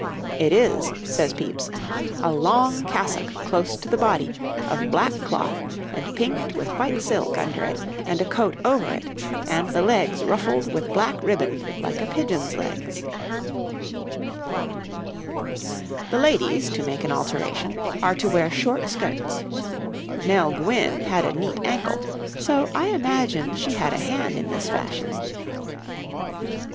'It is,' says Pepys, 'a long cassocke close to the body, of black cloth and pinked with white silk under it, and a coat over it, and the legs ruffled with black ribband like a pigeon's legs.' [Illustration: {A woman of the time of Charles II.}] The ladies, to make an alteration, are to wear short skirts. Nell Gwynne had a neat ankle, so I imagine she had a hand in this fashion.